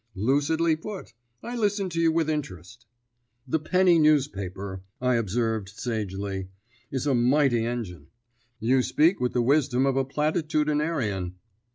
"Lucidly put. I listen to you with interest." "The penny newspaper," I observed sagely, "is a mighty engine." "You speak with the wisdom of a platitudinarian."